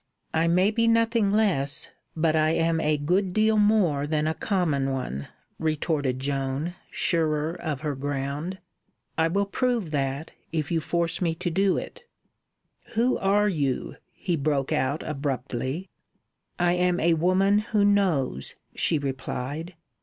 "I may be nothing less, but I am a good deal more than a common one," retorted Joan, surer of her ground. "I will prove that, if you force me to do it." "Who are you?" he broke out abruptly. "I am a Woman Who Knows," she replied.